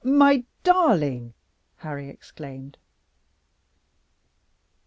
my darling!" Harry exclaimed.